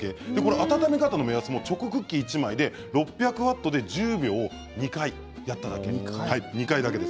温め方の目安もチョコレートクッキー１枚で６００ワットで１０秒を２回やっただけです。